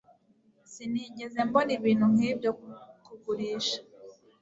Sinigeze mbona ibintu nkibyo kugurisha